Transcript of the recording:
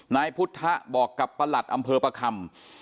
นายพุทธบอกกับประหลัดอำเภอประคำ